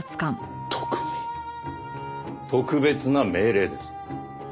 特別な命令です。